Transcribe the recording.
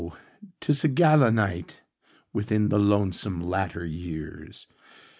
'tis a gala nightWithin the lonesome latter years!